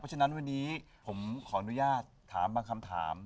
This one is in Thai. ฉะนั้นวันนี้ผมขออนุญาตถามบางคำถาม